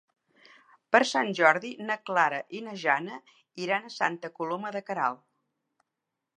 Per Sant Jordi na Clara i na Jana iran a Santa Coloma de Queralt.